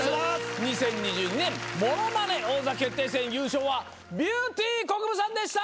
２０２２年『ものまね王座決定戦』優勝はビューティーこくぶさんでした！